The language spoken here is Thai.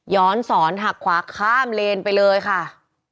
สอนหักขวาข้ามเลนไปเลยค่ะ